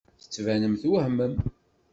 Tettbanem twehmem.